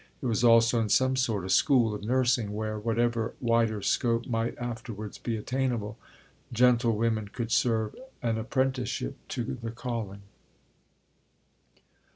It was also in some sort a school of nursing where, whatever wider scope might afterwards be attainable, gentlewomen could serve an apprenticeship to the calling.